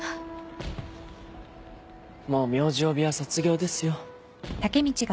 もう名字呼びは卒業ですよ。